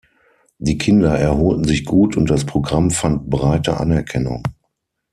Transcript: Die Kinder erholten sich gut, und das Programm fand breite Anerkennung.